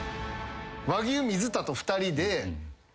和牛水田と２人で。